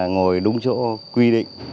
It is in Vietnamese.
ngồi đúng chỗ quy định